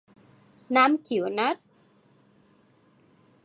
নাম কী উনার।